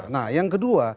nah yang kedua